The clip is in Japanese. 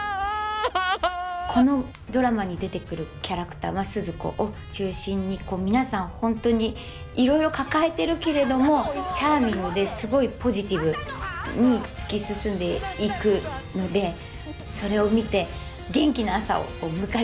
このドラマに出てくるキャラクタースズ子を中心にこう皆さん本当にいろいろ抱えてるけれどもチャーミングですごいポジティブに突き進んでいくのでそれを見て元気な朝を迎えてほしいなと思います。